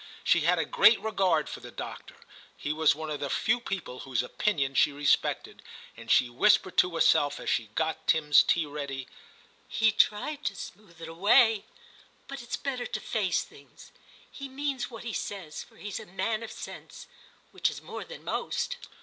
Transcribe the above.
She had a great regard for the doctor, — he was one of the few people whose opinion she respected, — and she whispered to herself as she got Tim's tea ready, * He tried to smooth it away, but it's better to face things. He means what he says, for he's a man of sense, which is more than most.'